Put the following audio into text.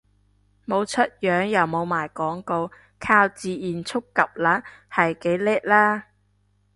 冇出樣又冇賣廣告，靠自然觸及率係幾叻喇